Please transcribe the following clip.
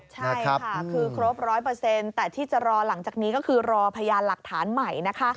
ใช่ค่ะคือครบ๑๐๐แต่ที่จะรอหลังจากนี้ก็คือรอพยานหลักฐานใหม่นะคะ